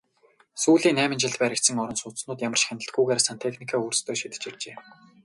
Сүүлийн найман жилд баригдсан орон сууцнууд ямар ч хяналтгүйгээр сантехникээ өөрсдөө шийдэж иржээ.